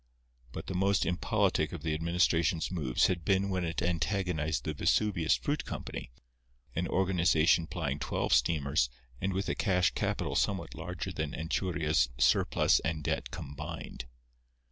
But the most impolitic of the administration's moves had been when it antagonized the Vesuvius Fruit Company, an organization plying twelve steamers and with a cash capital somewhat larger than Anchuria's surplus and debt combined.